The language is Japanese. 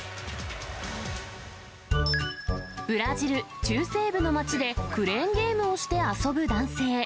ブラジル中西部の街で、クレーンゲームをして遊ぶ男性。